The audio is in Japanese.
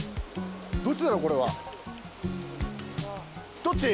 どっちだろうこれは。どっち？